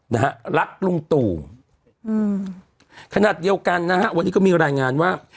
นะฮะรักลุงตู่อืมขนาดเดียวกันนะฮะวันนี้ก็มีรายงานว่า